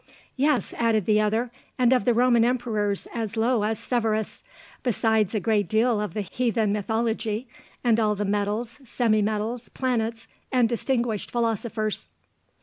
"'Yes,' added the other, 'and of the Roman Emperors as low as Severus, besides a great deal of the heathen mythology, and all the metals, semi metals, planets, and distinguished philosophers.